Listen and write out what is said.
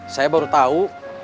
saya baru tahu